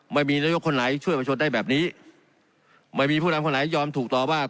ไม่มีนโยคคนหลายช่วยประชุนได้แบบนี้ไม่มีผู้น้ำคนหลายยอมถูกตอว่า